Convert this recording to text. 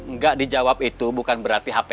nggak jahat satu satu